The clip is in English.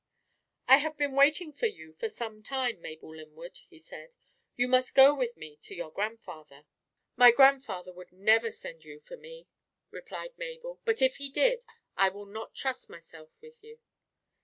"I have been waiting for you for some time, Mabel Lyndwood," he said. "You must go with me to your grandfather." "My grandfather would never send you for me," replied Mabel; "but if he did, I will not trust myself with you."